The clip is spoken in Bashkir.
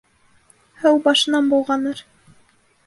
Һыу башынан болғаныр.